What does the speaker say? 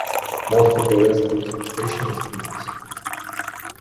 Most of the resident's occupation is business.